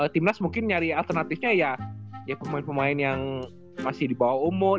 timnas mungkin nyari alternatifnya ya pemain pemain yang masih di bawah umur